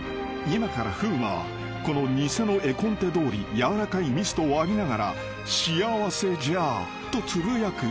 ［今から風磨はこの偽の絵コンテどおりやわらかいミストを浴びながら「幸せじゃ」とつぶやくと思っている］